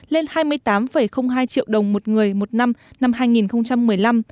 lên hai mươi tám hai triệu đồng một người một năm năm hai nghìn một mươi năm